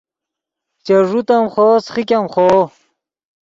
چے ݱوت ام خوو سیخیګ ام خوو